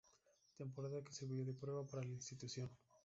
Temporada que sirvió de prueba para la institución.